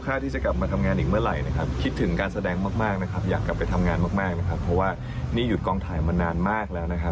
ไปบังเสียงคุณนิวหน่อยค่ะ